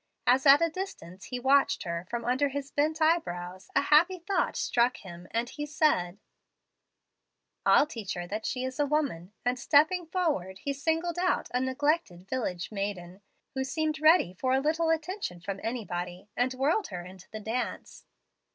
As at a distance he watched her from under his bent eyebrows, a happy thought struck him, and he said, 'I'll teach her that she is a woman'; and, stepping forward, he singled out a neglected village maiden, who seemed ready for a little attention from anybody, and whirled her into the dance.